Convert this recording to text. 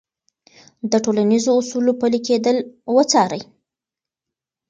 د ټولنیزو اصولو پلي کېدل وڅارئ.